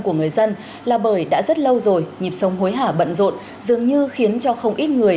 của người dân là bởi đã rất lâu rồi nhịp sống hối hả bận rộn dường như khiến cho không ít người